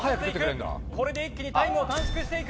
これで一気にタイムを短縮していく！